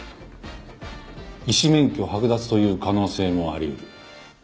医師免許剥奪という可能性もあり得る。